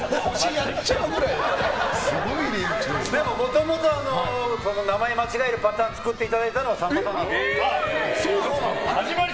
もともと名前間違えるパターンを作っていただいたのはさんまさんなんです。